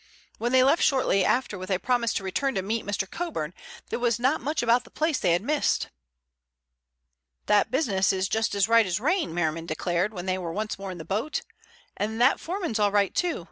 When they left shortly after with a promise to return to meet Mr. Coburn, there was not much about the place they had missed. "That business is just as right as rain," Merriman declared when they were once more in the boat. "And that foreman's all right too.